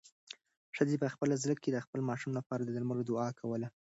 ښځې په خپل زړه کې د خپل ماشوم لپاره د درملو دعا کوله.